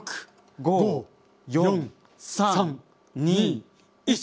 ５４３２１。